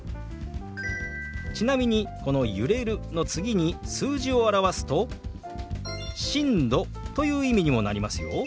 ちなみにこの「揺れる」の次に数字を表すと「震度」という意味にもなりますよ。